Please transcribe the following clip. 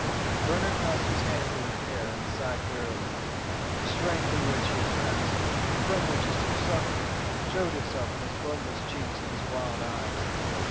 Bernard passed his hand through his hair and sighed wearily. The strain through which he had passed, and from which he still suffered, showed itself in his bloodless cheeks and his wild eyes.